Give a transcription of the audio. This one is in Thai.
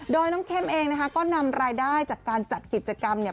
โดยน้องเข้มเองนะคะก็นำรายได้จากการจัดกิจกรรมเนี่ย